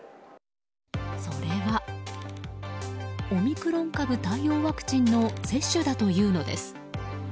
それは、オミクロン株対応ワクチンの接種だというのです。